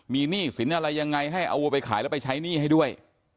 มีหนี้สินอะไรยังไงให้เอาวัวไปขายแล้วไปใช้หนี้ให้ด้วย